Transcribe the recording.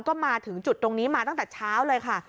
ก็มาถึงจุดตรงนี้มาตั้งแต่เช้าเลยค่ะ